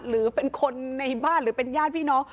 หรือเป็นคนในบ้านหรือเป็นญาติพี่น้อง